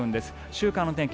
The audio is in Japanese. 週間の天気